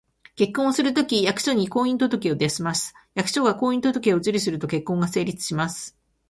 結婚をするときは、役所に「婚姻届」を出します。役所が「婚姻届」を受理すると、結婚が成立します